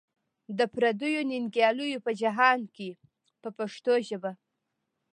د پردیو ننګیالیو په جهان کې په پښتو ژبه.